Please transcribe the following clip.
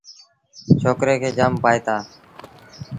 ڇوڪريٚ کي جآم ڀآئيٚتآ۔